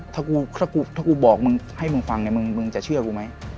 ถ้ากูบอกให้มึงฟังมึงจะเชื่อกูไหม